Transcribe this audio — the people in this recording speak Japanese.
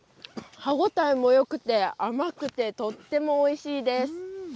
歯応えもよくて、甘くてとってもおいしいです。